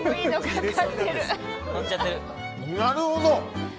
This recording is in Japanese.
なるほど！